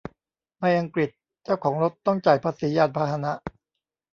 ในอังกฤษ เจ้าของรถต้องจ่ายภาษียานพาหนะ